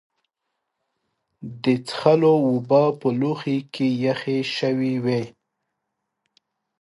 د څښلو اوبه په لوښي کې یخې شوې وې.